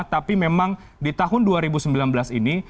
tapi memang di tahun dua ribu sembilan belas ini